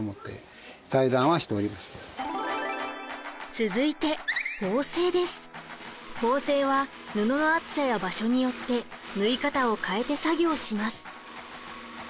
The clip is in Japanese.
続いて縫製は布の厚さや場所によって縫い方を変えて作業します。